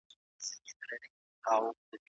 د ځای په لحاظ د څېړني ساحې توپیر لري.